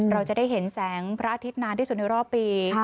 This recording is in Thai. เราจะได้เห็นแสงพระอาทิตย์นานที่สุดในรอบปี